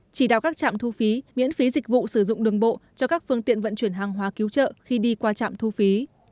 chỉ đạo các trạm thu phí miễn phí dịch vụ sử dụng đường bộ cho các phương tiện vận chuyển hàng hóa cứu trợ khi đi qua trạm thu phí